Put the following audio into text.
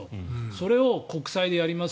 それを国債でやります